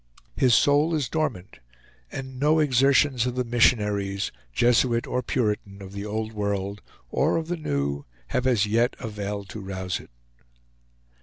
His soul is dormant; and no exertions of the missionaries, Jesuit or Puritan, of the Old World or of the New, have as yet availed to rouse it.